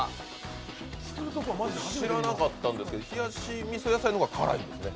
知らなかったんですけど冷し味噌やさいの方が辛いんですか。